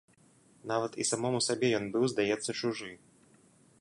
Нават і самому сабе ён быў, здаецца, чужы.